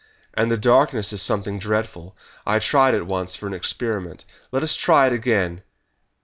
"And the darkness is something dreadful. I tried it once for an experiment. Let us try it again!"